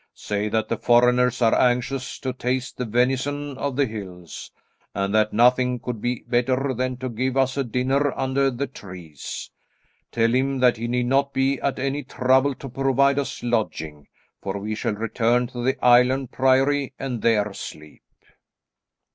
Say that the foreigners are anxious to taste the venison of the hills, and that nothing could be better than to give us a dinner under the trees. Tell him that he need not be at any trouble to provide us lodging, for we shall return to the Island Priory and there sleep."